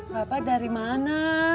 bapak dari mana